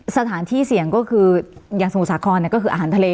สถานที่เสี่ยงก็คืออย่างสมุทรสาครก็คืออาหารทะเล